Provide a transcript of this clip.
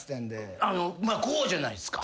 こうじゃないっすか。